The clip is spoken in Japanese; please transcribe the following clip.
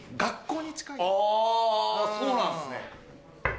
あぁそうなんすね。